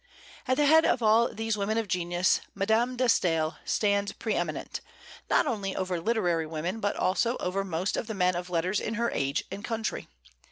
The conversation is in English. At the head of all these women of genius Madame de Staël stands pre eminent, not only over literary women, but also over most of the men of letters in her age and country.